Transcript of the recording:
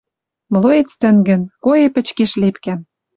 Млоец тӹнгӹн. Коэ пӹчкеш лепкӓм.